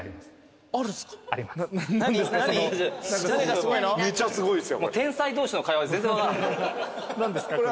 そのめっちゃすごいっす。